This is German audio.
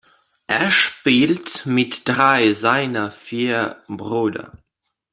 Er spielt mit drei seiner vier Brüder.